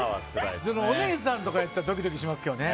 お姉さんとかやったらドキドキしますけどね。